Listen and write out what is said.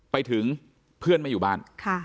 ไปถึงเพื่อนไม่อยู่บ้าน